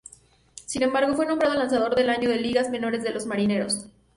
Sin embargo, fue nombrado Lanzador del Año de Ligas Menores de los Marineros.